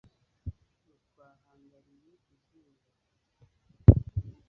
Ngo Twahangariye izuba